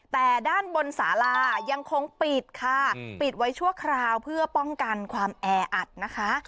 แต่ด้านบนสาลายังคงปิดค่ะปิดไว้ชั่วคราวเพื่อป้องกันความแออัดนะคะ